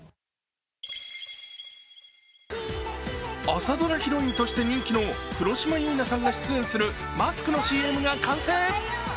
朝ドラヒロインとして人気の黒島結菜さんが出演するマスクのＣＭが完成。